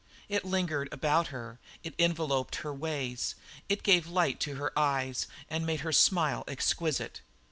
It lingered about her, it enveloped her ways; it gave a light to her eyes and made her smile exquisite.